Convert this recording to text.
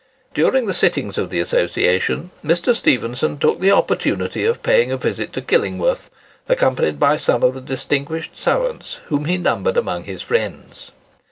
During the sittings of the Association, Mr. Stephenson took the opportunity of paying a visit to Killingworth, accompanied by some of the distinguished savans whom he numbered amongst his friends.